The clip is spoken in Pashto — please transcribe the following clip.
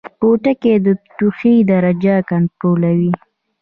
پوټکی د تودوخې درجه کنټرولوي